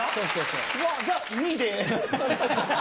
わじゃあ２位で。